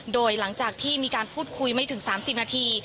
โดยหลังจากที่มีการพูดคุยไม่ถึง๓๐นาที